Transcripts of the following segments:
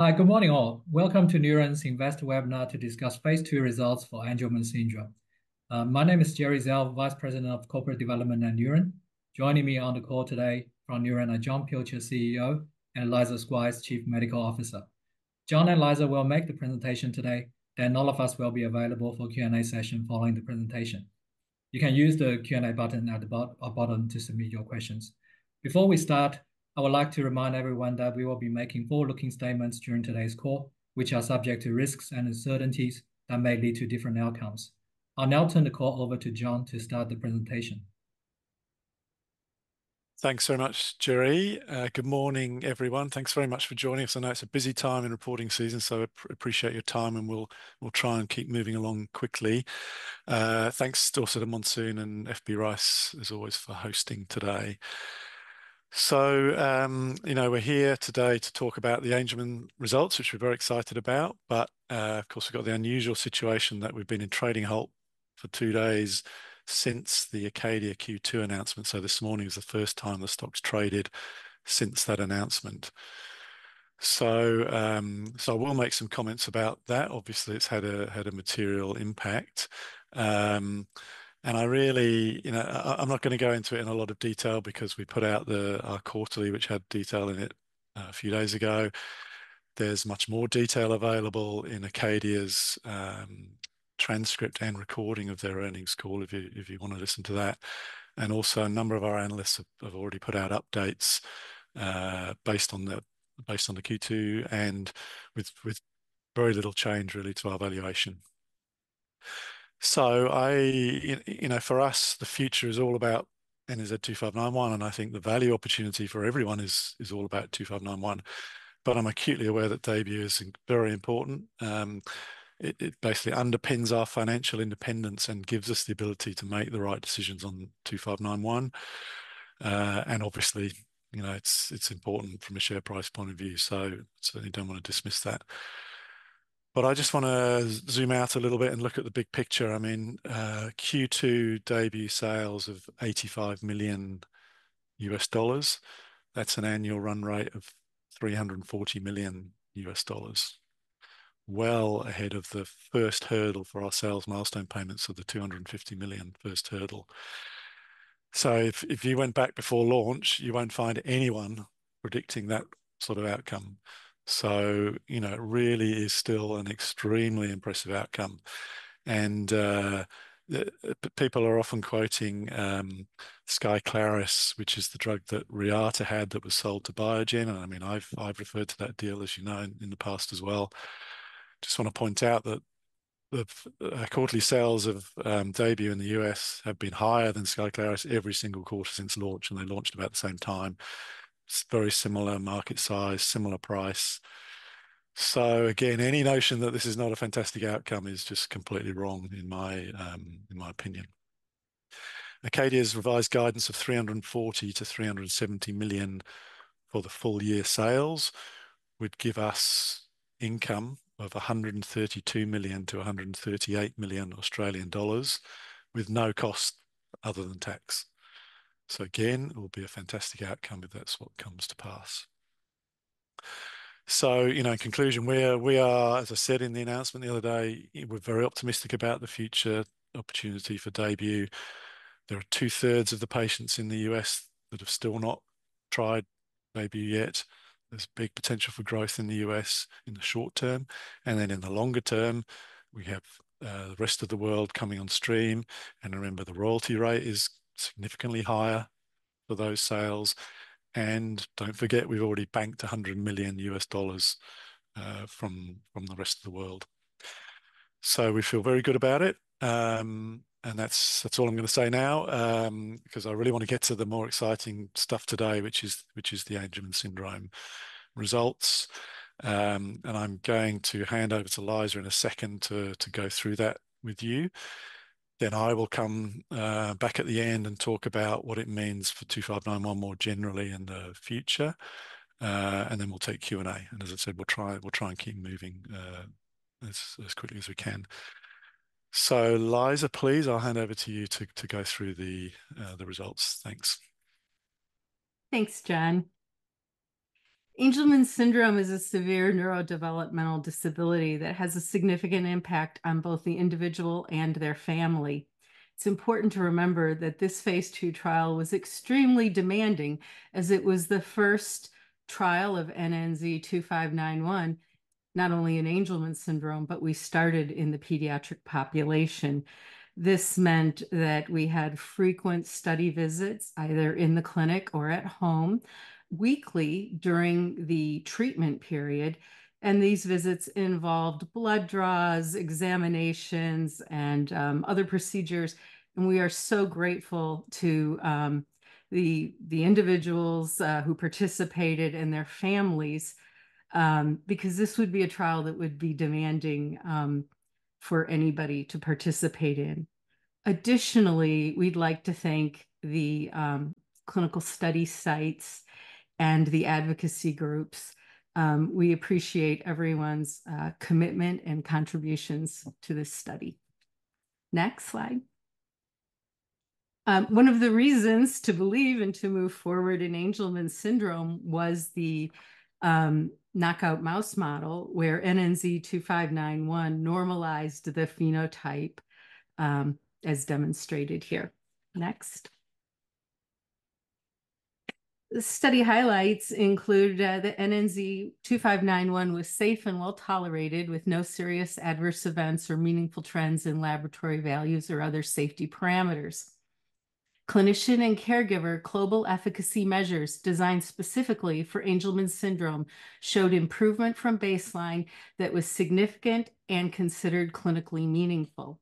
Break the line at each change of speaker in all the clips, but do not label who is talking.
Hi, good morning, all. Welcome to Neuren's Investor Webinar to discuss phase 2 results for Angelman syndrome. My name is Gerry Zhao, Vice President of Corporate Development at Neuren. Joining me on the call today from Neuren are Jon Pilcher, CEO, and Liza Squires, Chief Medical Officer. Jon and Liza will make the presentation today, then all of us will be available for Q&A session following the presentation. You can use the Q&A button at the bottom to submit your questions. Before we start, I would like to remind everyone that we will be making forward-looking statements during today's call, which are subject to risks and uncertainties that may lead to different outcomes. I'll now turn the call over to Jon to start the presentation.
Thanks very much, Gerry. Good morning, everyone. Thanks very much for joining us. I know it's a busy time in reporting season, so appreciate your time, and we'll try and keep moving along quickly. Thanks also to Monsoon and FB Rice, as always, for hosting today. So, you know, we're here today to talk about the Angelman results, which we're very excited about. But, of course, we've got the unusual situation that we've been in trading halt for two days since the ACADIA Q2 announcement. So this morning is the first time the stock's traded since that announcement. So, so I will make some comments about that. Obviously, it's had a material impact. And I really... You know, I'm not gonna go into it in a lot of detail because we put out our quarterly, which had detail in it, a few days ago. There's much more detail available in ACADIA's transcript and recording of their earnings call, if you wanna listen to that. And also, a number of our analysts have already put out updates based on the Q2, and with very little change, really, to our valuation. So you know, for us, the future is all about NNZ-2591, and I think the value opportunity for everyone is all about 2591. But I'm acutely aware that DAYBUE is very important. It basically underpins our financial independence and gives us the ability to make the right decisions on 2591. And obviously, you know, it's important from a share price point of view, so certainly don't wanna dismiss that. But I just wanna zoom out a little bit and look at the big picture. I mean, Q2 DAYBUE sales of $85 million, that's an annual run rate of $340 million. Well ahead of the first hurdle for our sales milestone payments of the $250 million first hurdle. So if you went back before launch, you won't find anyone predicting that sort of outcome. So, you know, it really is still an extremely impressive outcome. And people are often quoting SKYCLARYS, which is the drug that Reata had that was sold to Biogen, and, I mean, I've referred to that deal, as you know, in the past as well. Just wanna point out that the quarterly sales of DAYBUE in the US have been higher than SKYCLARYS every single quarter since launch, and they launched about the same time. It's very similar market size, similar price. So again, any notion that this is not a fantastic outcome is just completely wrong, in my opinion. ACADIA's revised guidance of $340 million-$370 million for the full year sales would give us income of 132 million-138 million Australian dollars, with no cost other than tax. So again, it will be a fantastic outcome if that's what comes to pass. So, you know, in conclusion, we are, as I said in the announcement the other day, we're very optimistic about the future opportunity for DAYBUE. There are two-thirds of the patients in the US that have still not tried DAYBUE yet. There's big potential for growth in the US in the short term, and then in the longer term, we have, the rest of the world coming on stream. And remember, the royalty rate is significantly higher for those sales. And don't forget, we've already banked $100 million from, from the rest of the world. So we feel very good about it... And that's, that's all I'm gonna say now, because I really wanna get to the more exciting stuff today, which is, which is the Angelman syndrome results. And I'm going to hand over to Liza in a second to, to go through that with you. Then I will come back at the end and talk about what it means for 2591 more generally in the future. And then we'll take Q&A, and as I said, we'll try, we'll try and keep moving, as quickly as we can. So, Liza, please, I'll hand over to you to go through the results. Thanks.
Thanks, Jon. Angelman syndrome is a severe neurodevelopmental disability that has a significant impact on both the individual and their family. It's important to remember that this Phase II trial was extremely demanding, as it was the first trial of NNZ-2591, not only in Angelman syndrome, but we started in the pediatric population. This meant that we had frequent study visits, either in the clinic or at home, weekly during the treatment period, and these visits involved blood draws, examinations, and other procedures. We are so grateful to the individuals who participated and their families, because this would be a trial that would be demanding for anybody to participate in. Additionally, we'd like to thank the clinical study sites and the advocacy groups. We appreciate everyone's commitment and contributions to this study. Next slide... One of the reasons to believe and to move forward in Angelman syndrome was the knockout mouse model, where NNZ-2591 normalized the phenotype, as demonstrated here. Next. The study highlights include the NNZ-2591 was safe and well-tolerated, with no serious adverse events or meaningful trends in laboratory values or other safety parameters. Clinician and caregiver global efficacy measures designed specifically for Angelman syndrome showed improvement from baseline that was significant and considered clinically meaningful.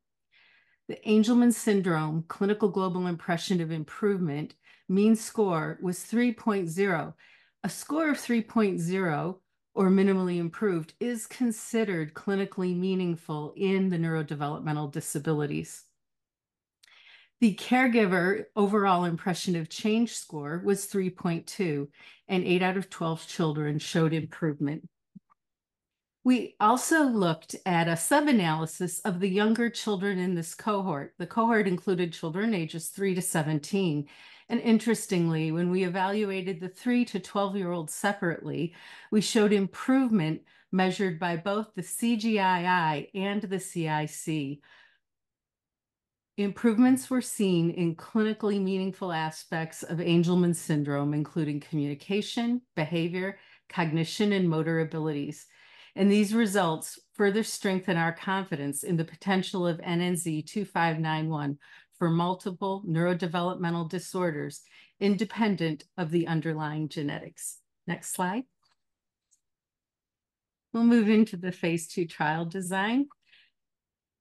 The Angelman Syndrome Clinical Global Impression of Improvement mean score was 3.0. A score of 3.0, or minimally improved, is considered clinically meaningful in the neurodevelopmental disabilities. The caregiver overall impression of change score was 3.2, and 8 out of 12 children showed improvement. We also looked at a sub-analysis of the younger children in this cohort. The cohort included children ages 3-17, and interestingly, when we evaluated the 3- to 12-year-olds separately, we showed improvement measured by both the CGI-I and the CIC. Improvements were seen in clinically meaningful aspects of Angelman syndrome, including communication, behavior, cognition, and motor abilities, and these results further strengthen our confidence in the potential of NNZ-2591 for multiple neurodevelopmental disorders independent of the underlying genetics. Next slide. We'll move into the phase 2 trial design.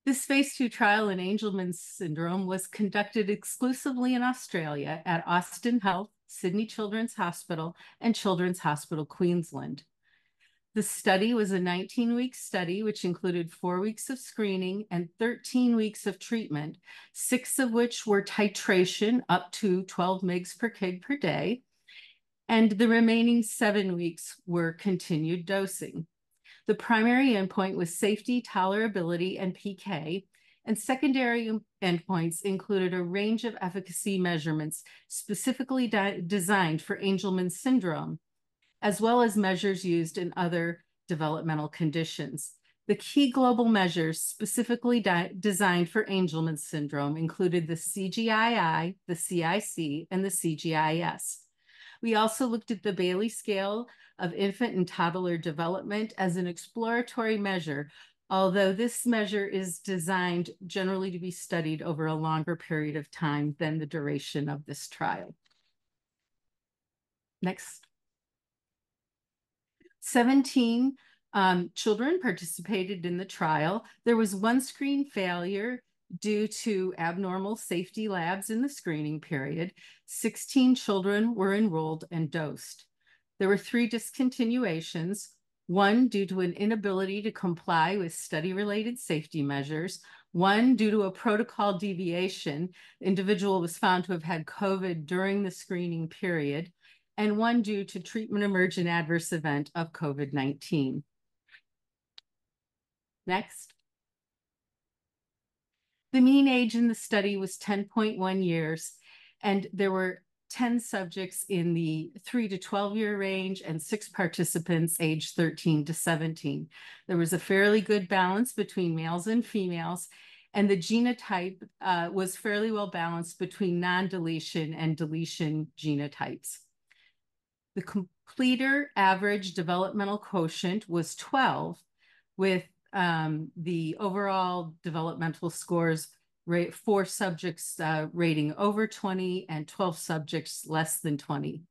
This phase 2 trial in Angelman syndrome was conducted exclusively in Australia at Austin Health, Sydney Children's Hospital, and Children's Hospital Queensland. The study was a 19-week study, which included 4 weeks of screening and 13 weeks of treatment, 6 of which were titration, up to 12 mg per kg per day, and the remaining 7 weeks were continued dosing. The primary endpoint was safety, tolerability, and PK, and secondary endpoints included a range of efficacy measurements specifically designed for Angelman syndrome, as well as measures used in other developmental conditions. The key global measures specifically designed for Angelman syndrome included the CGI-I, the CIC, and the CGI-S. We also looked at the Bayley Scale of Infant and Toddler Development as an exploratory measure, although this measure is designed generally to be studied over a longer period of time than the duration of this trial. Next. 17 children participated in the trial. There was one screen failure due to abnormal safety labs in the screening period. 16 children were enrolled and dosed. There were three discontinuations: one due to an inability to comply with study-related safety measures, one due to a protocol deviation, the individual was found to have had COVID during the screening period, and one due to treatment-emergent adverse event of COVID-19. Next. The mean age in the study was 10.1 years, and there were 10 subjects in the 3-12-year range, and six participants aged 13-17. There was a fairly good balance between males and females, and the genotype was fairly well-balanced between non-deletion and deletion genotypes. The completer average developmental quotient was 12, with the overall developmental scores four subjects rating over 20 and 12 subjects less than 20.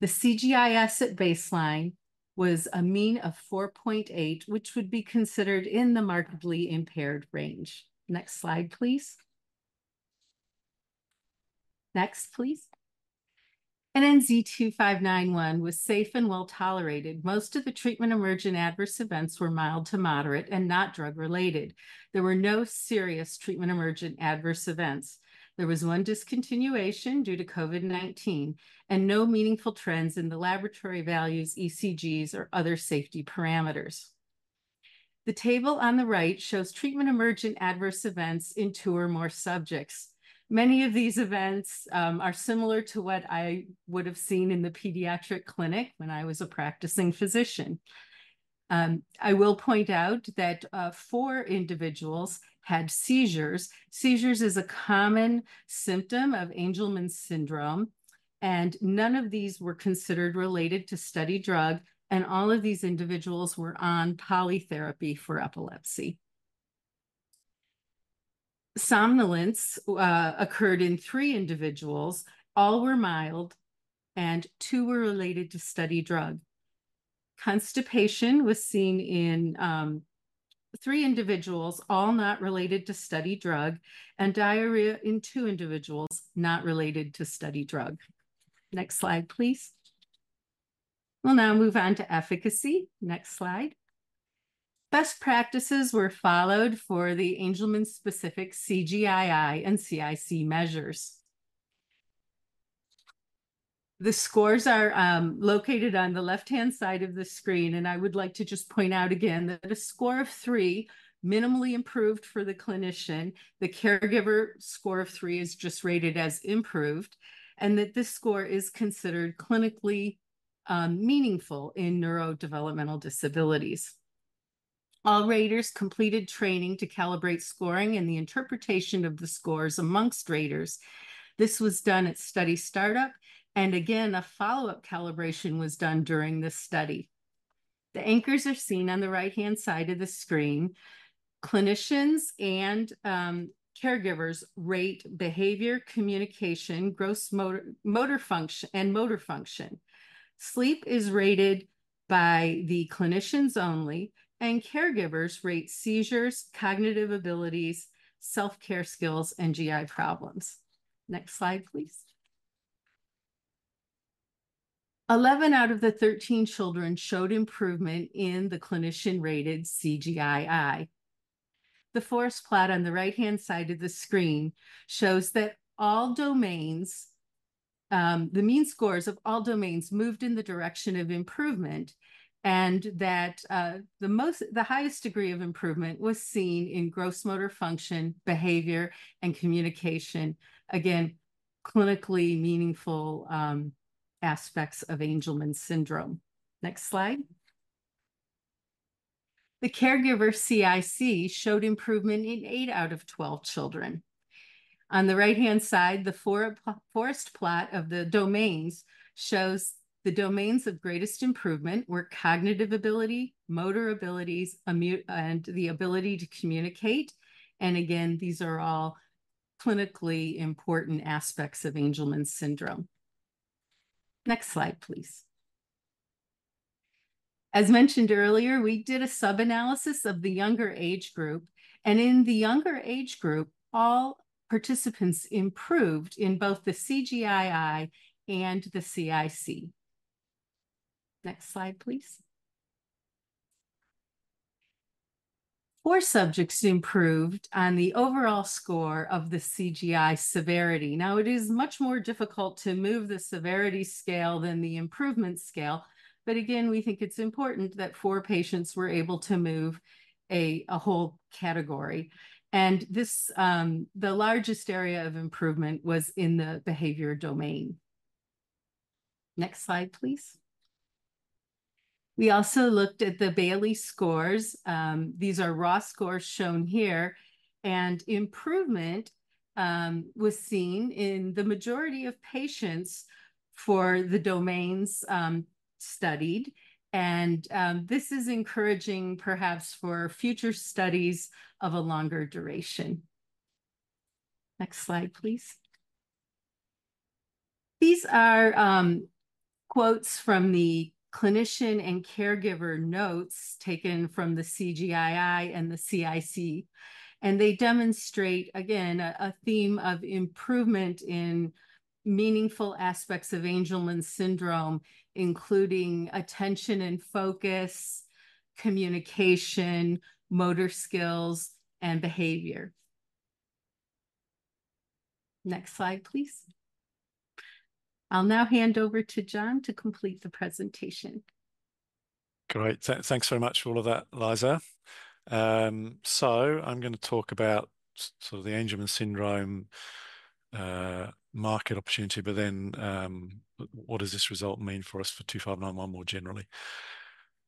The CGI-S at baseline was a mean of 4.8, which would be considered in the markedly impaired range. Next slide, please. Next, please. NNZ-2591 was safe and well-tolerated. Most of the treatment-emergent adverse events were mild to moderate and not drug-related. There were no serious treatment-emergent adverse events. There was one discontinuation due to COVID-19 and no meaningful trends in the laboratory values, ECGs, or other safety parameters. The table on the right shows treatment-emergent adverse events in two or more subjects. Many of these events are similar to what I would have seen in the pediatric clinic when I was a practicing physician. I will point out that four individuals had seizures. Seizures is a common symptom of Angelman syndrome, and none of these were considered related to study drug, and all of these individuals were on polytherapy for epilepsy. Somnolence occurred in three individuals, all were mild, and two were related to study drug. Constipation was seen in 3 individuals, all not related to study drug, and diarrhea in 2 individuals, not related to study drug. Next slide, please. We'll now move on to efficacy. Next slide. Best practices were followed for the Angelman-specific CGI-I and CIC measures. The scores are located on the left-hand side of the screen, and I would like to just point out again that a score of 3 minimally improved for the clinician, the caregiver score of 3 is just rated as improved, and that this score is considered clinically meaningful in neurodevelopmental disabilities. All raters completed training to calibrate scoring and the interpretation of the scores among raters. This was done at study startup, and again, a follow-up calibration was done during this study. The anchors are seen on the right-hand side of the screen. Clinicians and caregivers rate behavior, communication, gross motor, motor function, and motor function. Sleep is rated by the clinicians only, and caregivers rate seizures, cognitive abilities, self-care skills, and GI problems. Next slide, please. 11 out of the 13 children showed improvement in the clinician-rated CGI-I. The forest plot on the right-hand side of the screen shows that all domains, the mean scores of all domains moved in the direction of improvement, and that the highest degree of improvement was seen in gross motor function, behavior, and communication. Again, clinically meaningful aspects of Angelman syndrome. Next slide. The caregiver CIC showed improvement in 8 out of 12 children. On the right-hand side, the forest plot of the domains shows the domains of greatest improvement were cognitive ability, motor abilities, mutism, and the ability to communicate, and again, these are all clinically important aspects of Angelman syndrome. Next slide, please. As mentioned earlier, we did a sub-analysis of the younger age group, and in the younger age group, all participants improved in both the CGI-I and the CIC. Next slide, please. Four subjects improved on the overall score of the CGI severity. Now, it is much more difficult to move the severity scale than the improvement scale, but again, we think it's important that four patients were able to move a whole category. This, the largest area of improvement was in the behavior domain. Next slide, please. We also looked at the Bayley scores. These are raw scores shown here, and improvement was seen in the majority of patients for the domains studied, and this is encouraging perhaps for future studies of a longer duration. Next slide, please. These are quotes from the clinician and caregiver notes taken from the CGI-I and the CIC, and they demonstrate, again, a theme of improvement in meaningful aspects of Angelman syndrome, including attention and focus, communication, motor skills, and behavior. Next slide, please. I'll now hand over to Jon to complete the presentation.
Great, thanks very much for all of that, Liza. So I'm gonna talk about sort of the Angelman syndrome market opportunity, but then, what does this result mean for us for 2591 more generally?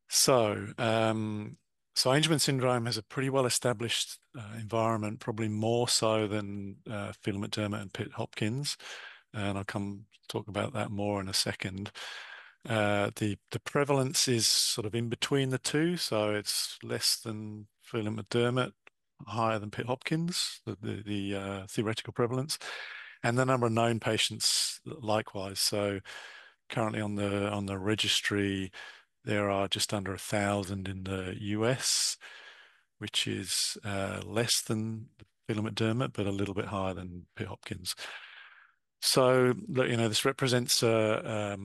So, Angelman syndrome has a pretty well-established environment, probably more so than Phelan-McDermid and Pitt-Hopkins, and I'll come talk about that more in a second. The prevalence is sort of in between the two, so it's less than Phelan-McDermid, higher than Pitt-Hopkins, the theoretical prevalence, and the number of known patients likewise. So currently on the registry, there are just under 1,000 in the U.S., which is less than Phelan-McDermid, but a little bit higher than Pitt-Hopkins. So look, you know, this represents a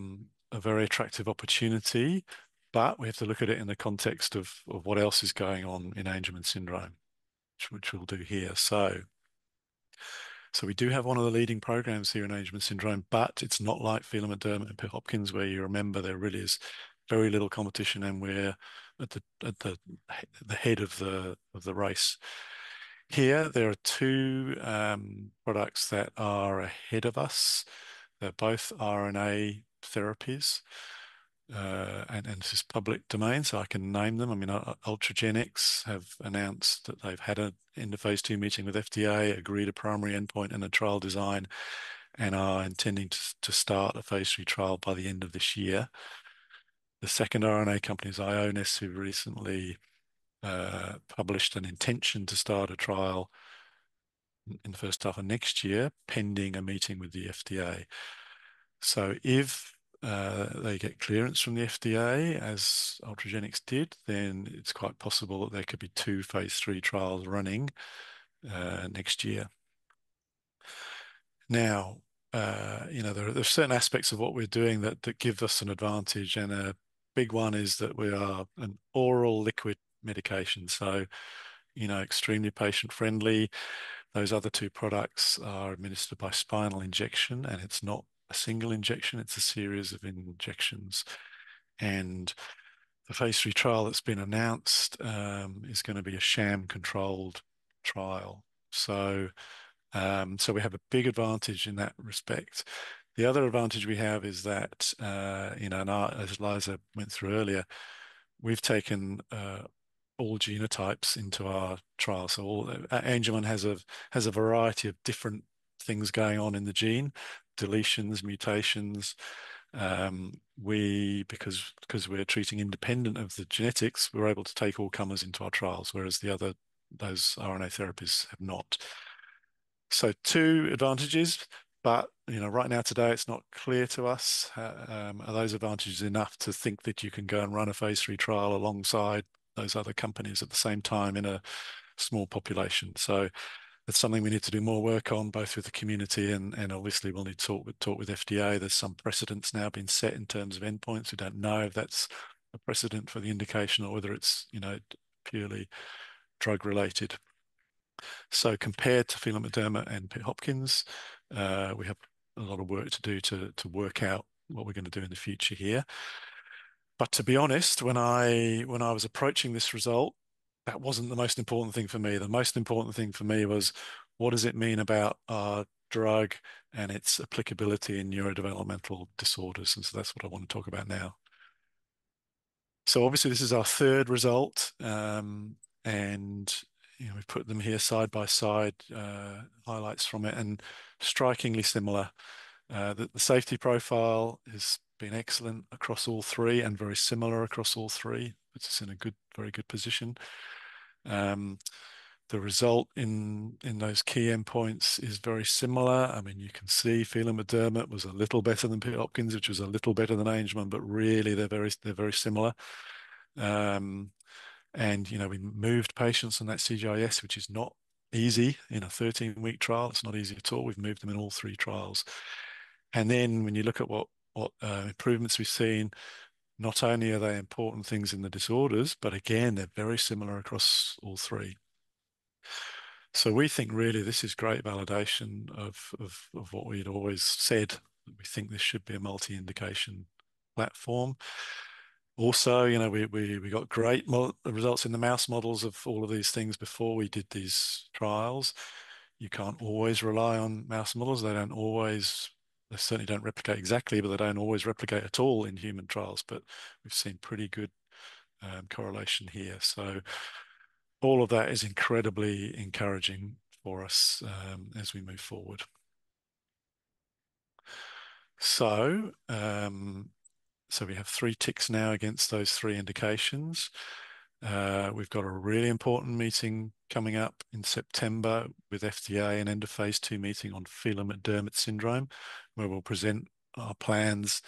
very attractive opportunity, but we have to look at it in the context of what else is going on in Angelman syndrome, which we'll do here. So we do have one of the leading programs here in Angelman syndrome, but it's not like Phelan-McDermid and Pitt-Hopkins, where you remember there really is very little competition, and we're at the head of the race. Here, there are two products that are ahead of us. They're both RNA therapies, and in this public domain, so I can name them. I mean, Ultragenyx have announced that they've had an end of phase 2 meeting with FDA, agreed a primary endpoint and a trial design, and are intending to start a phase 3 trial by the end of this year. The second RNA company is Ionis, who recently published an intention to start a trial in the first half of next year, pending a meeting with the FDA. So if they get clearance from the FDA, as Ultragenyx did, then it's quite possible that there could be two Phase 3 trials running next year. Now, you know, there are certain aspects of what we're doing that give us an advantage and a big one is that we are an oral liquid medication, so, you know, extremely patient-friendly. Those other two products are administered by spinal injection, and it's not a single injection, it's a series of injections. And the Phase 3 trial that's been announced is gonna be a sham-controlled trial. So, so we have a big advantage in that respect. The other advantage we have is that, you know, and I as Liza went through earlier, we've taken all genotypes into our trial. So all, Angelman has a variety of different things going on in the gene: deletions, mutations. Because we're treating independent of the genetics, we're able to take all comers into our trials, whereas the other, those RNA therapies have not. So two advantages, but, you know, right now, today, it's not clear to us, are those advantages enough to think that you can go and run a phase 3 trial alongside those other companies at the same time in a small population? So it's something we need to do more work on, both with the community and obviously, we'll need to talk with FDA. There's some precedents now being set in terms of endpoints. We don't know if that's a precedent for the indication or whether it's, you know, purely drug-related. So compared to Phelan-McDermid and Pitt-Hopkins, we have a lot of work to do to work out what we're gonna do in the future here. But to be honest, when I was approaching this result, that wasn't the most important thing for me. The most important thing for me was: what does it mean about our drug and its applicability in neurodevelopmental disorders? And so that's what I wanna talk about now. So obviously, this is our third result. And, you know, we've put them here side by side, highlights from it, and strikingly similar. The safety profile has been excellent across all three and very similar across all three, which is in a good, very good position. The results in those key endpoints is very similar. I mean, you can see Phelan-McDermid was a little better than Pitt-Hopkins, which was a little better than Angelman, but really, they're very, they're very similar. And, you know, we moved patients from that CGI-S, which is not easy in a 13-week trial. It's not easy at all. We've moved them in all three trials. And then when you look at what improvements we've seen, not only are they important things in the disorders, but again, they're very similar across all three. So we think really this is great validation of what we'd always said, we think this should be a multi-indication platform. Also, you know, we got great results in the mouse models of all of these things before we did these trials. You can't always rely on mouse models. They don't always. They certainly don't replicate exactly, but they don't always replicate at all in human trials. But we've seen pretty good correlation here. So all of that is incredibly encouraging for us as we move forward. So, so we have three ticks now against those three indications. We've got a really important meeting coming up in September with FDA, an end-of-phase 2 meeting on Phelan-McDermid syndrome, where we'll present our plans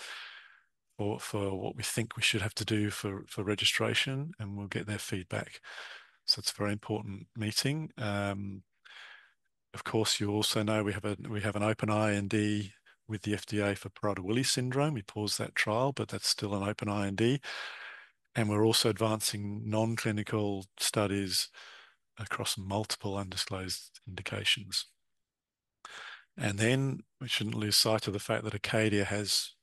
for, for what we think we should have to do for, for registration, and we'll get their feedback. So it's a very important meeting. Of course, you also know we have a, we have an Open IND with the FDA for Prader-Willi syndrome. We paused that trial, but that's still an Open IND. And we're also advancing non-clinical studies across multiple undisclosed indications. Then we shouldn't lose sight of the fact that ACADIA has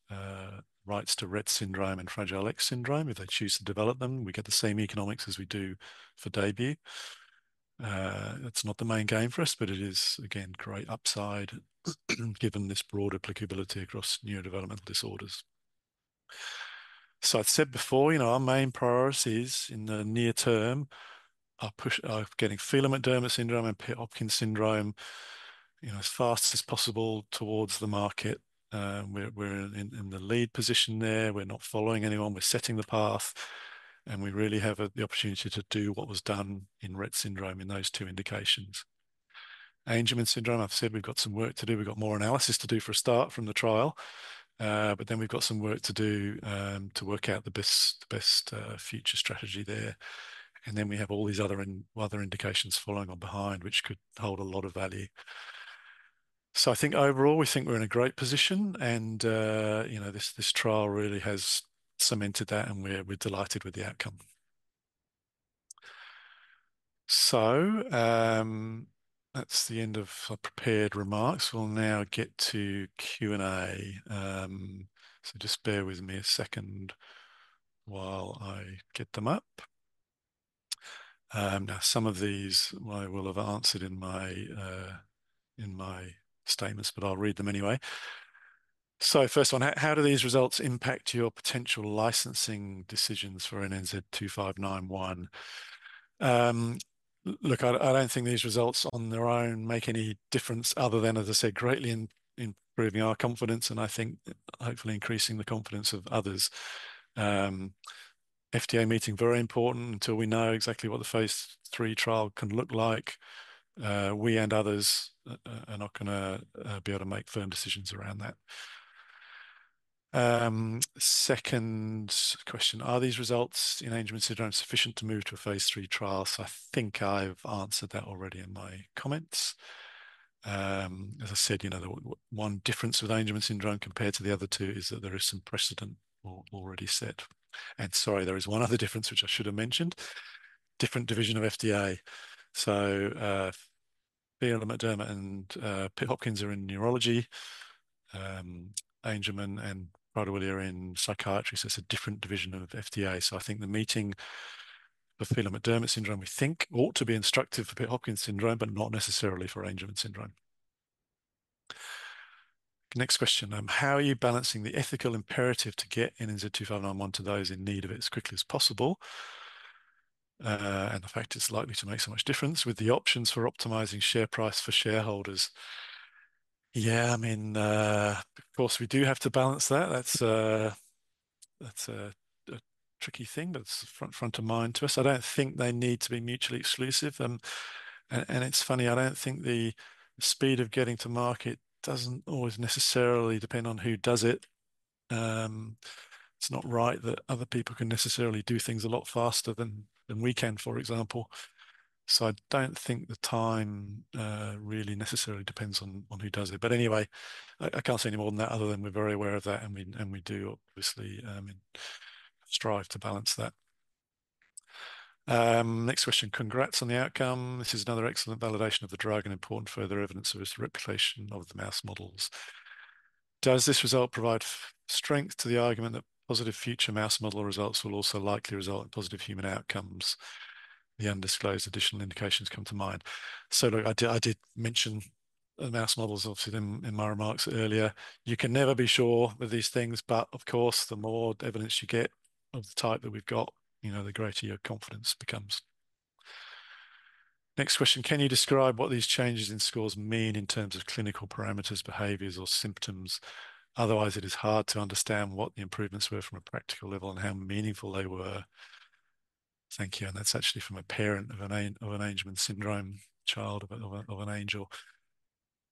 rights to Rett syndrome and Fragile X syndrome. If they choose to develop them, we get the same economics as we do for DAYBUE. It's not the main game for us, but it is, again, great upside, given this broad applicability across neurodevelopmental disorders. So I've said before, you know, our main priorities in the near term are getting Phelan-McDermid syndrome and Pitt-Hopkins syndrome, you know, as fast as possible towards the market. We're in the lead position there. We're not following anyone, we're setting the path, and we really have the opportunity to do what was done in Rett syndrome in those two indications. Angelman syndrome, I've said we've got some work to do. We've got more analysis to do for a start from the trial, but then we've got some work to do to work out the best future strategy there. And then we have all these other indications following on behind, which could hold a lot of value. So I think overall, we think we're in a great position, and you know, this trial really has cemented that, and we're delighted with the outcome. So that's the end of my prepared remarks. We'll now get to Q&A. So just bear with me a second while I get them up. Now, some of these I will have answered in my statements, but I'll read them anyway. So first one: "How do these results impact your potential licensing decisions for NNZ-2591?" Look, I don't think these results on their own make any difference, other than, as I said, greatly improving our confidence, and I think hopefully increasing the confidence of others. FDA meeting, very important. Until we know exactly what the phase 3 trial can look like, we and others are not gonna be able to make firm decisions around that. Second question: "Are these results in Angelman syndrome sufficient to move to a phase 3 trial?" So I think I've answered that already in my comments. As I said, you know, the one difference with Angelman syndrome compared to the other two is that there is some precedent already set. And sorry, there is one other difference which I should have mentioned, different division of FDA. So, Phelan-McDermid and Pitt-Hopkins are in neurology. Angelman and Prader-Willi are in psychiatry, so it's a different division of FDA. So I think the meeting with Phelan-McDermid syndrome, we think ought to be instructive for Pitt-Hopkins syndrome, but not necessarily for Angelman syndrome. Next question: How are you balancing the ethical imperative to get NNZ-2591 to those in need of it as quickly as possible, and the fact it's likely to make so much difference with the options for optimizing share price for shareholders? Yeah, I mean, of course, we do have to balance that. That's a tricky thing, but it's front of mind to us. I don't think they need to be mutually exclusive. And it's funny, I don't think the speed of getting to market doesn't always necessarily depend on who does it. It's not right that other people can necessarily do things a lot faster than we can, for example. So I don't think the time really necessarily depends on who does it. But anyway, I can't say any more than that, other than we're very aware of that, and we do obviously strive to balance that. Next question: Congrats on the outcome. This is another excellent validation of the drug and important further evidence of its replication of the mouse models. Does this result provide strength to the argument that positive future mouse model results will also likely result in positive human outcomes? The undisclosed additional indications come to mind. So look, I did mention the mouse models, obviously, in my remarks earlier. You can never be sure of these things, but of course, the more evidence you get of the type that we've got, you know, the greater your confidence becomes. Next question: Can you describe what these changes in scores mean in terms of clinical parameters, behaviors, or symptoms? Otherwise, it is hard to understand what the improvements were from a practical level and how meaningful they were. Thank you, and that's actually from a parent of an Angelman syndrome child.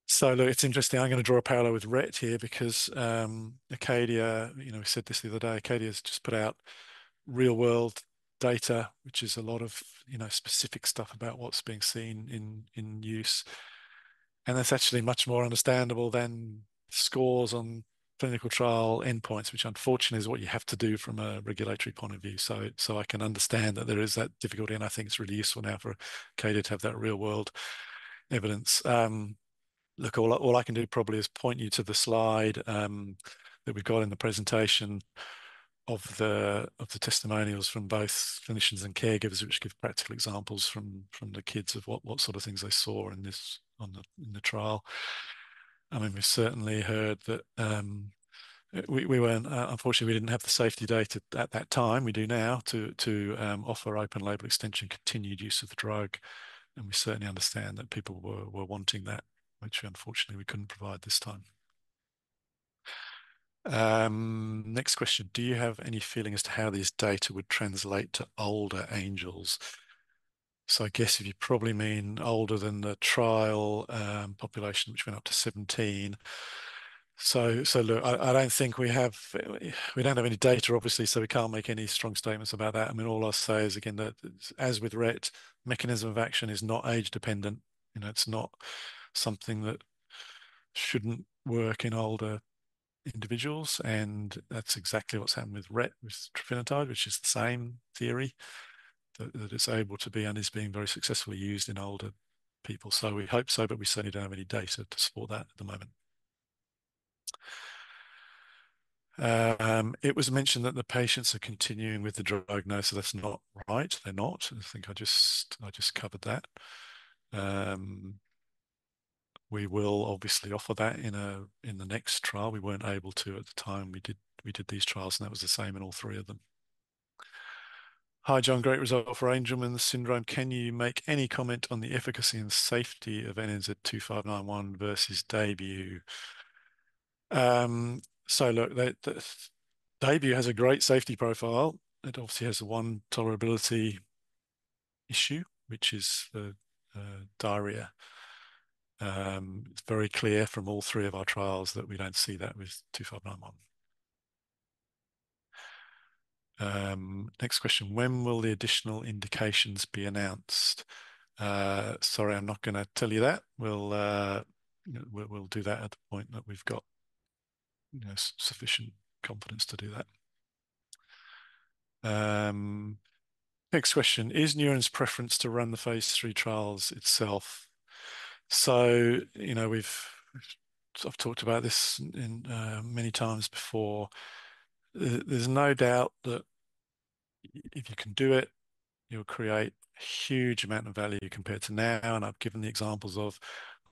So look, it's interesting. I'm gonna draw a parallel with Rett here because, ACADIA, you know, we said this the other day, ACADIA has just put out real-world data, which is a lot of, you know, specific stuff about what's being seen in use, and that's actually much more understandable than scores on clinical trial endpoints, which unfortunately is what you have to do from a regulatory point of view. So I can understand that there is that difficulty, and I think it's really useful now for ACADIA to have that real-world evidence. Look, all I can do probably is point you to the slide that we've got in the presentation of the testimonials from both clinicians and caregivers, which give practical examples from the kids of what sort of things they saw in this, in the trial. I mean, we certainly heard that. We weren't, unfortunately, we didn't have the safety data at that time. We do now to offer open-label extension, continued use of the drug, and we certainly understand that people were wanting that, which unfortunately we couldn't provide this time. Next question: Do you have any feeling as to how these data would translate to older Angelman? So I guess if you probably mean older than the trial population, which went up to 17. So look, I don't think we have. We don't have any data, obviously, so we can't make any strong statements about that. I mean, all I'll say is, again, that as with Rett, mechanism of action is not age dependent. You know, it's not something that shouldn't work in older individuals, and that's exactly what's happened with Rett, with trofinetide, which is the same theory, that, that it's able to be and is being very successfully used in older people. So we hope so, but we certainly don't have any data to support that at the moment. It was mentioned that the patients are continuing with the drug. No, so that's not right. They're not. I think I just, I just covered that. We will obviously offer that in a, in the next trial. We weren't able to at the time we did, we did these trials, and that was the same in all three of them. Hi, Jon, great result for Angelman syndrome. Can you make any comment on the efficacy and safety of NNZ-2591 versus DAYBUE? So look, the DAYBUE has a great safety profile. It obviously has one tolerability issue, which is the diarrhea. It's very clear from all three of our trials that we don't see that with 2591. Next question: When will the additional indications be announced? Sorry, I'm not gonna tell you that. We'll do that at the point that we've got, you know, sufficient confidence to do that. Next question: Is Neuren's preference to run the phase 3 trials itself? So, you know, I've talked about this in many times before. There's no doubt that if you can do it, you'll create a huge amount of value compared to now, and I've given the examples of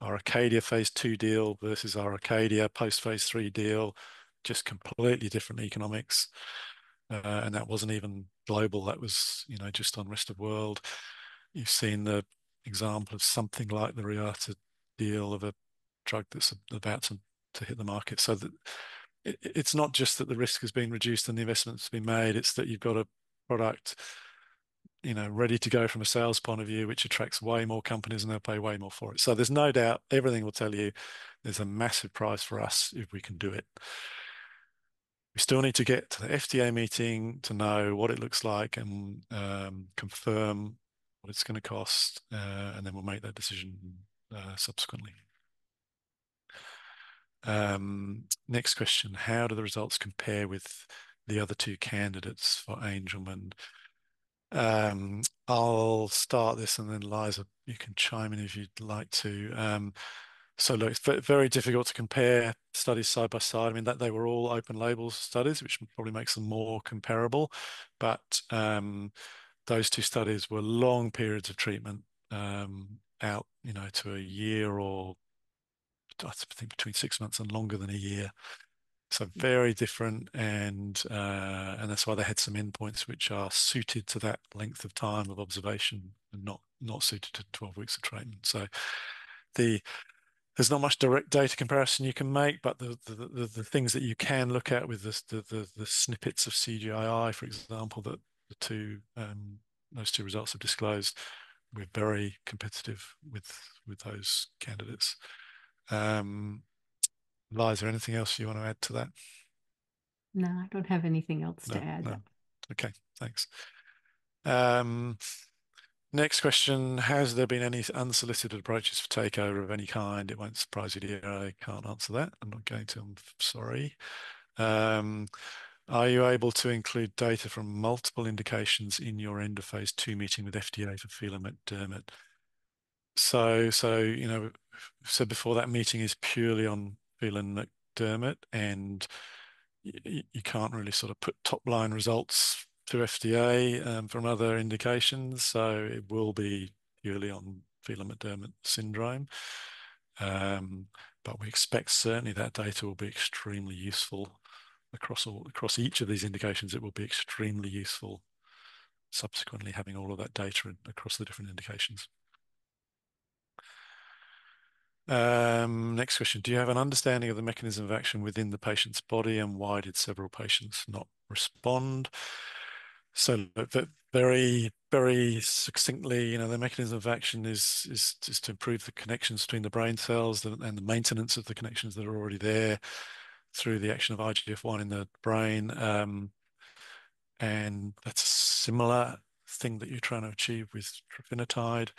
our ACADIA phase 2 deal versus our ACADIA post-phase 3 deal, just completely different economics. And that wasn't even global. That was, you know, just on rest of world. You've seen the example of something like the Reata deal of a drug that's about to hit the market. So that it, it's not just that the risk has been reduced and the investment's been made, it's that you've got a product, you know, ready to go from a sales point of view, which attracts way more companies, and they'll pay way more for it. So there's no doubt, everything will tell you there's a massive prize for us if we can do it.... We still need to get to the FDA meeting to know what it looks like and confirm what it's gonna cost, and then we'll make that decision subsequently. Next question: How do the results compare with the other two candidates for Angelman? I'll start this, and then, Liza, you can chime in if you'd like to. So look, it's very difficult to compare studies side by side. I mean, that they were all open label studies, which probably makes them more comparable. But, those two studies were long periods of treatment, you know, to a year or, I think between six months and longer than a year. So very different, and, and that's why they had some endpoints which are suited to that length of time of observation and not suited to 12 weeks of treatment. So there's not much direct data comparison you can make, but the things that you can look at with the snippets of CGI, for example, that the two, those two results have disclosed, we're very competitive with, with those candidates. Liza, anything else you wanna add to that?
No, I don't have anything else to add.
No. No. Okay, thanks. Next question: Has there been any unsolicited approaches for takeover of any kind? It won't surprise you to hear I can't answer that. I'm not going to. I'm sorry. Are you able to include data from multiple indications in your end of phase 2 meeting with FDA for Phelan-McDermid? So, you know, we said before, that meeting is purely on Phelan-McDermid, and you can't really sort of put top-line results to FDA, from other indications, so it will be purely on Phelan-McDermid syndrome. But we expect certainly that data will be extremely useful across all across each of these indications. It will be extremely useful subsequently having all of that data across the different indications. Next question: Do you have an understanding of the mechanism of action within the patient's body, and why did several patients not respond? So, very succinctly, you know, the mechanism of action is to improve the connections between the brain cells and the maintenance of the connections that are already there through the action of IGF-1 in the brain. And that's a similar thing that you're trying to achieve with trofinetide.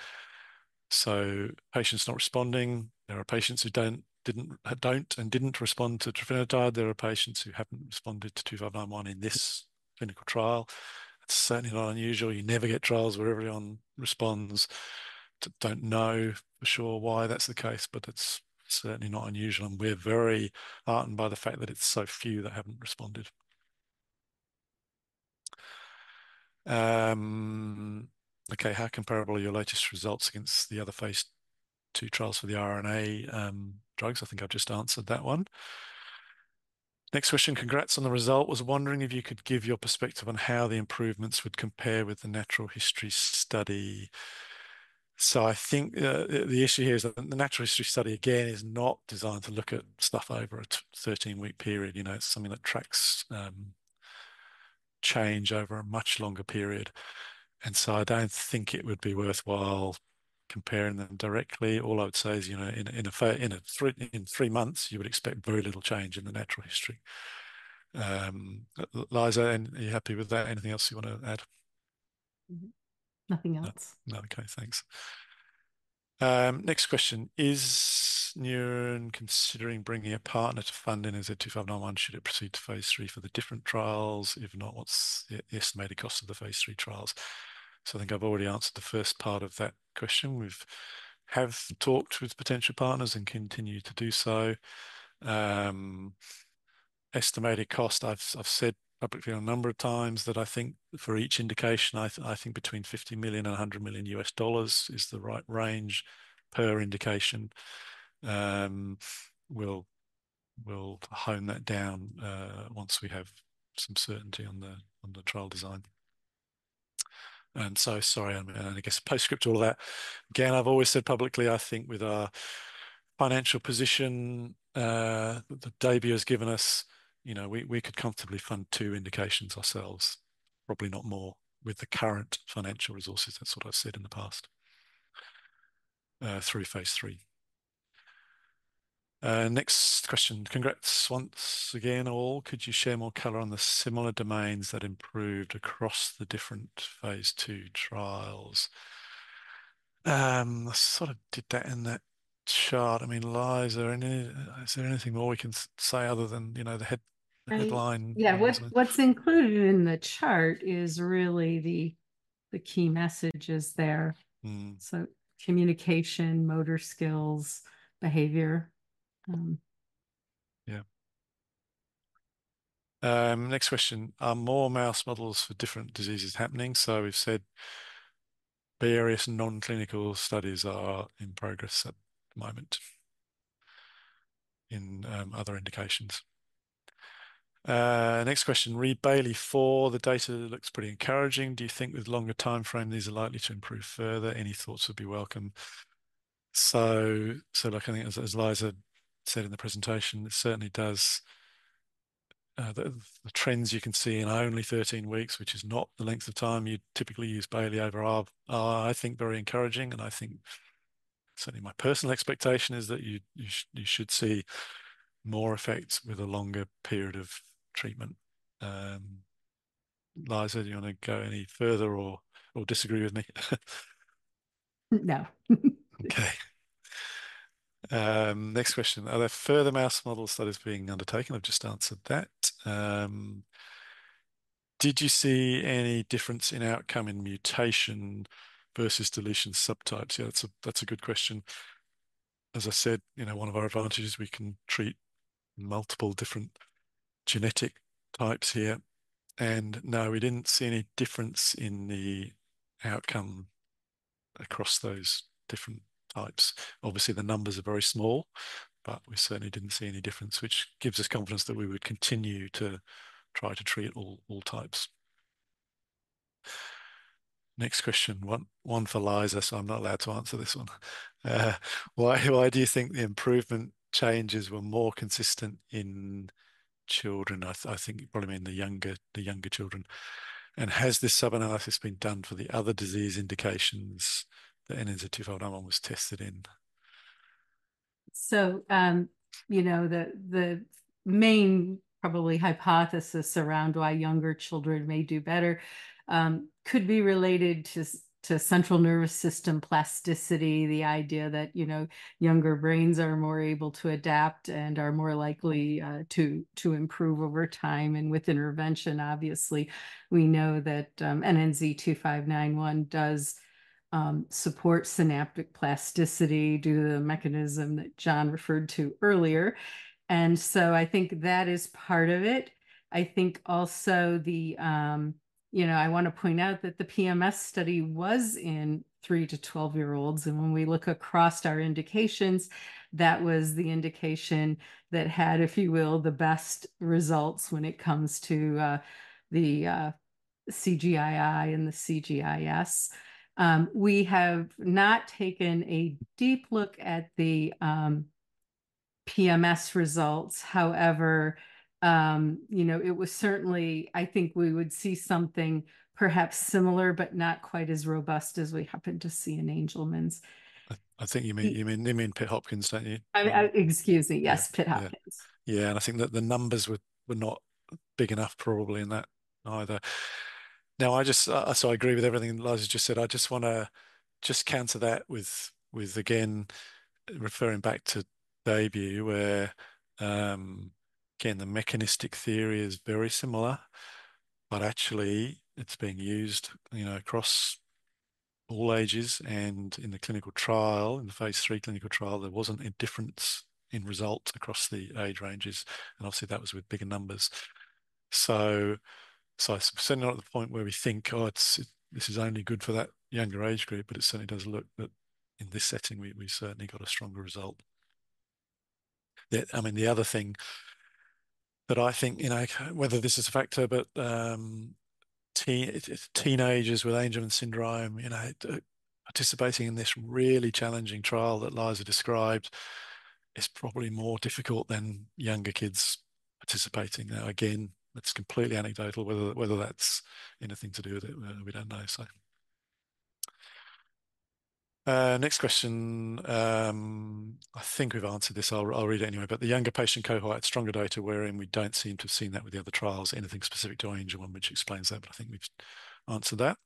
So patients not responding, there are patients who don't, didn't—don't and didn't respond to trofinetide. There are patients who haven't responded to NNZ-2591 in this clinical trial. It's certainly not unusual. You never get trials where everyone responds. Don't know for sure why that's the case, but it's certainly not unusual, and we're very heartened by the fact that it's so few that haven't responded. Okay, how comparable are your latest results against the other phase 2 trials for the RNA drugs? I think I've just answered that one. Next question: Congrats on the result. Was wondering if you could give your perspective on how the improvements would compare with the natural history study. So I think the issue here is that the natural history study, again, is not designed to look at stuff over a 13-week period. You know, it's something that tracks change over a much longer period, and so I don't think it would be worthwhile comparing them directly. All I would say is, you know, in a three-month period, you would expect very little change in the natural history. Liza, are you happy with that? Anything else you wanna add?
Mm-hmm. Nothing else.
No. Okay, thanks. Next question: Is Neuren considering bringing a partner to funding as a NNZ-2591, should it proceed to phase 3 for the different trials? If not, what's the estimated cost of the phase 3 trials? So I think I've already answered the first part of that question. We have talked with potential partners and continue to do so. Estimated cost, I've said publicly a number of times that I think for each indication, I think between $50 million and $100 million is the right range per indication. We'll hone that down once we have some certainty on the trial design. And so, sorry, and I guess a postscript to all that. Again, I've always said publicly, I think with our financial position, that DAYBUE has given us, you know, we could comfortably fund two indications ourselves, probably not more, with the current financial resources. That's what I've said in the past, through phase 3. Next question: Congrats once again, all. Could you share more color on the similar domains that improved across the different phase 2 trials? I sort of did that in that chart. I mean, Liza, is there anything more we can say other than, you know, the headline?
Yeah. What's included in the chart is really the key messages there.
Mm-hmm.
So communication, motor skills, behavior.
Yeah. Next question: Are more mouse models for different diseases happening? So we've said various non-clinical studies are in progress at the moment in, other indications. Next question: Re: Bayley-4, the data looks pretty encouraging. Do you think with longer timeframe, these are likely to improve further? Any thoughts would be welcome. So, like, I think as Liza said in the presentation, it certainly does. The trends you can see in only 13 weeks, which is not the length of time you'd typically use Bayley overall, are, I think, very encouraging, and I think certainly, my personal expectation is that you should see more effects with a longer period of treatment. Liza, do you wanna go any further or disagree with me?
No.
Okay. Next question: Are there further mouse model studies being undertaken? I've just answered that. Did you see any difference in outcome in mutation versus deletion subtypes? Yeah, that's a good question. As I said, you know, one of our advantages, we can treat multiple different genetic types here, and no, we didn't see any difference in the outcome across those different types. Obviously, the numbers are very small, but we certainly didn't see any difference, which gives us confidence that we would continue to try to treat all types. Next question, one for Liza, so I'm not allowed to answer this one. Why do you think the improvement changes were more consistent in children? I think you probably mean the younger children. And has this sub-analysis been done for the other disease indications that NNZ-2591 was tested in?
So, you know, the main probably hypothesis around why younger children may do better could be related to central nervous system plasticity, the idea that, you know, younger brains are more able to adapt and are more likely to improve over time. And with intervention, obviously, we know that NNZ-2591 does support synaptic plasticity due to the mechanism that Jon referred to earlier, and so I think that is part of it. I think also the, you know, I wanna point out that the PMS study was in 3- to 12-year-olds, and when we look across our indications, that was the indication that had, if you will, the best results when it comes to the CGI-I and the CGI-S. We have not taken a deep look at the PMS results. However, you know, it was certainly... I think we would see something perhaps similar, but not quite as robust as we happened to see in Angelman's.
I think you mean Pitt-Hopkins, don't you?
Excuse me, yes, Pitt-Hopkins.
Yeah. Yeah, and I think that the numbers were not big enough probably in that either. Now, I just so I agree with everything Liza just said. I just wanna counter that with, again, referring back to DAYBUE, where, again, the mechanistic theory is very similar, but actually it's being used, you know, across all ages, and in the clinical trial, in the Phase 3 clinical trial, there wasn't a difference in results across the age ranges, and obviously, that was with bigger numbers. So I'm certainly not at the point where we think, oh, it's, this is only good for that younger age group, but it certainly does look that in this setting, we certainly got a stronger result. I mean, the other thing that I think, you know, whether this is a factor, but, teenagers with Angelman syndrome, you know, participating in this really challenging trial that Liza described, is probably more difficult than younger kids participating. Now, again, it's completely anecdotal. Whether, whether that's anything to do with it, we don't know, so... Next question, I think we've answered this. I'll read it anyway: But the younger patient cohort had stronger data, wherein we don't seem to have seen that with the other trials. Anything specific to Angelman which explains that? But I think we've answered that.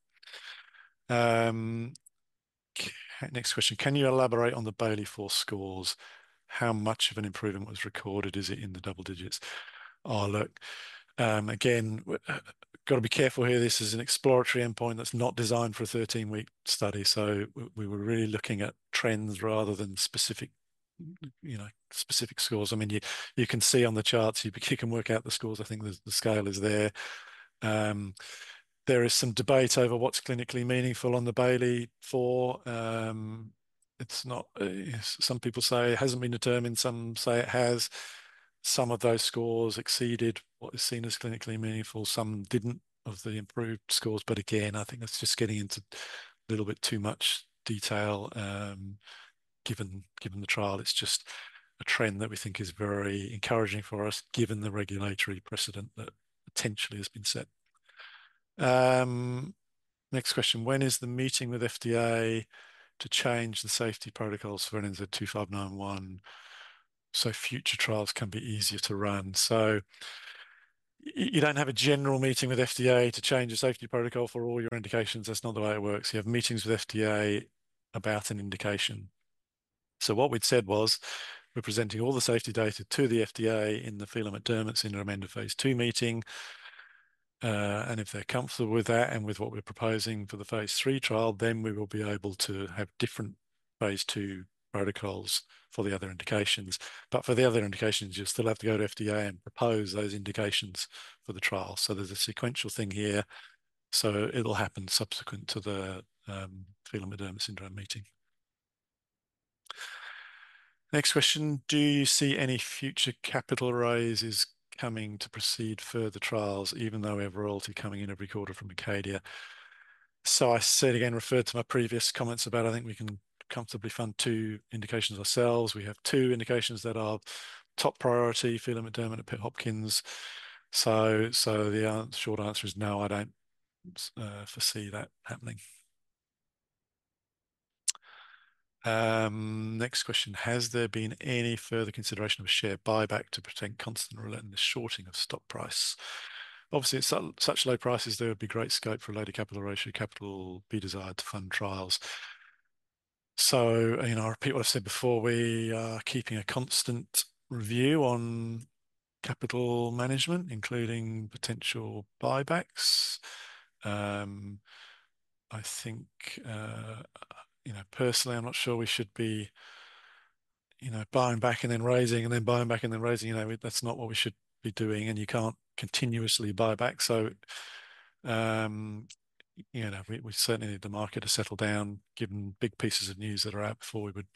Okay, next question: Can you elaborate on the Bayley-4 scores? How much of an improvement was recorded? Is it in the double digits? Oh, look, again, gotta be careful here. This is an exploratory endpoint that's not designed for a 13-week study, so we were really looking at trends rather than specific, you know, specific scores. I mean, you, you can see on the charts, you, you can work out the scores. I think the, the scale is there. There is some debate over what's clinically meaningful on the Bayley-4. It's not, some people say it hasn't been determined, some say it has. Some of those scores exceeded what is seen as clinically meaningful, some didn't, of the improved scores. But again, I think that's just getting into a little bit too much detail, given, given the trial. It's just a trend that we think is very encouraging for us, given the regulatory precedent that potentially has been set. Next question: When is the meeting with FDA to change the safety protocols for NNZ-2591, so future trials can be easier to run? So you don't have a general meeting with FDA to change a safety protocol for all your indications. That's not the way it works. You have meetings with FDA about an indication. So what we'd said was, we're presenting all the safety data to the FDA in the Phelan-McDermid syndrome and the phase 2 meeting, and if they're comfortable with that and with what we're proposing for the phase 3 trial, then we will be able to have different phase 2 protocols for the other indications. But for the other indications, you still have to go to FDA and propose those indications for the trial. So there's a sequential thing here, so it'll happen subsequent to the Phelan-McDermid syndrome meeting. Next question: Do you see any future capital raises coming to proceed further trials, even though we have royalty coming in every quarter from ACADIA? So I said, again, referred to my previous comments about I think we can comfortably fund two indications ourselves. We have two indications that are top priority, Phelan-McDermid and Pitt-Hopkins. So, the short answer is no, I don't foresee that happening. Next question: Has there been any further consideration of a share buyback to protect constant relentless shorting of stock price? Obviously, at such low prices, there would be great scope for a lower capital ratio, capital be desired to fund trials. So, you know, I'll repeat what I've said before, we are keeping a constant review on capital management, including potential buybacks. I think, you know, personally, I'm not sure we should be, you know, buying back and then raising, and then buying back and then raising. You know, that's not what we should be doing, and you can't continuously buy back. So, you know, we certainly need the market to settle down, given big pieces of news that are out, before we would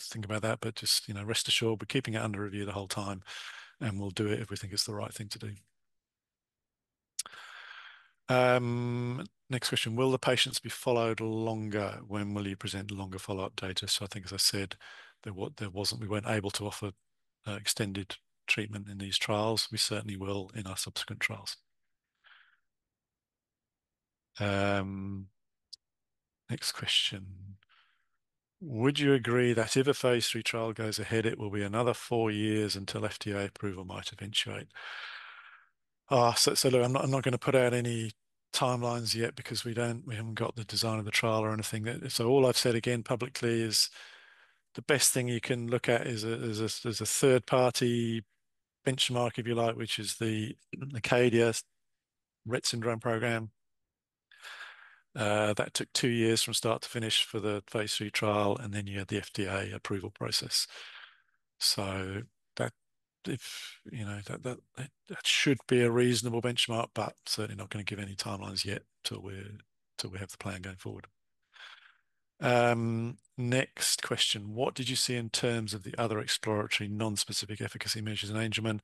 think about that. But just, you know, rest assured, we're keeping it under review the whole time, and we'll do it if we think it's the right thing to do. Next question: Will the patients be followed longer? When will you present longer follow-up data? So I think, as I said, we weren't able to offer extended treatment in these trials. We certainly will in our subsequent trials. Next question: Would you agree that if a phase 3 trial goes ahead, it will be another four years until FDA approval might eventuate? So look, I'm not gonna put out any timelines yet because we haven't got the design of the trial or anything. So all I've said, again, publicly, is the best thing you can look at is a third-party benchmark, if you like, which is the ACADIA Rett syndrome program. That took two years from start to finish for the phase 3 trial, and then you had the FDA approval process. So that, you know, that should be a reasonable benchmark, but certainly not gonna give any timelines yet until we have the plan going forward. Next question: What did you see in terms of the other exploratory non-specific efficacy measures in Angelman?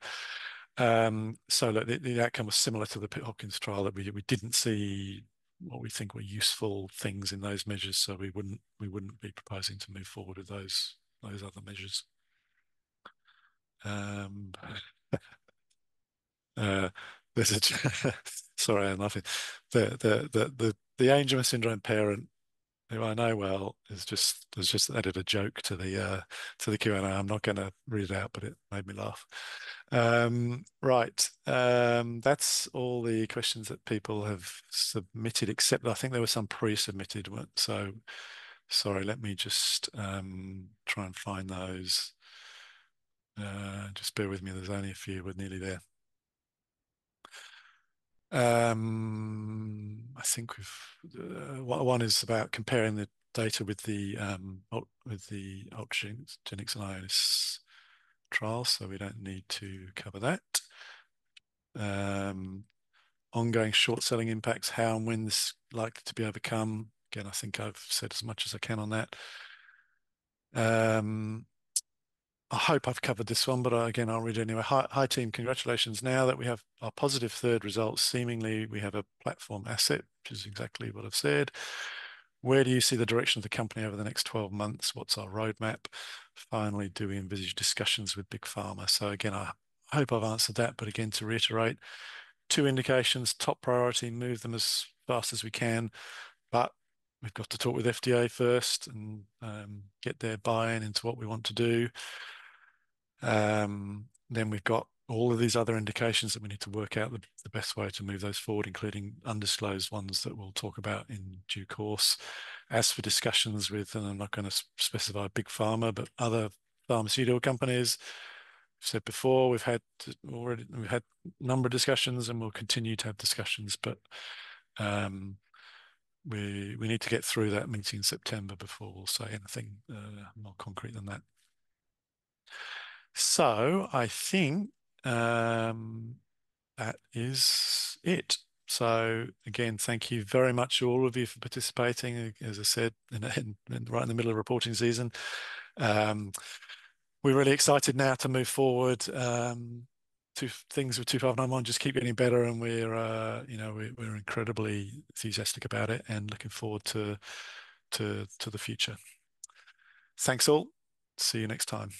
So look, the outcome was similar to the Pitt-Hopkins trial, that we didn't see what we think were useful things in those measures, so we wouldn't be proposing to move forward with those other measures. Sorry, I'm laughing. The Angelman syndrome parent, who I know well, has just added a joke to the Q&A. I'm not gonna read it out, but it made me laugh. Right. That's all the questions that people have submitted, except I think there were some pre-submitted ones. Sorry, let me just try and find those. Just bear with me. There's only a few. We're nearly there. I think we've... One is about comparing the data with the, with the Ultragenyx and Ionis trial, so we don't need to cover that. Ongoing short selling impacts, how and when this is likely to be overcome? Again, I think I've said as much as I can on that. I hope I've covered this one, but, again, I'll read it anyway. Hi, hi, team. Congratulations. Now that we have our positive third results, seemingly we have a platform asset, which is exactly what I've said. Where do you see the direction of the company over the next 12 months? What's our roadmap? Finally, do we envisage discussions with Big Pharma? So again, I hope I've answered that. But again, to reiterate, two indications, top priority, move them as fast as we can, but we've got to talk with FDA first and, get their buy-in into what we want to do. Then we've got all of these other indications that we need to work out the best way to move those forward, including undisclosed ones that we'll talk about in due course. As for discussions with, and I'm not gonna specify Big Pharma, but other pharmaceutical companies, I've said before, we've had a number of discussions, and we'll continue to have discussions, but, we need to get through that meeting in September before we'll say anything, more concrete than that. So I think, that is it. So again, thank you very much, all of you, for participating. As I said, you know, right in the middle of reporting season. We're really excited now to move forward, two things with NNZ-2591. Just keep getting better, and, you know, we're incredibly enthusiastic about it and looking forward to the future. Thanks, all. See you next time.